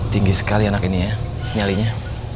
tinggi sekali anak ini ya nyalinya